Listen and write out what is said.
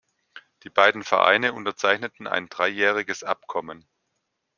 Die beiden Vereine unterzeichneten ein dreijähriges Abkommen.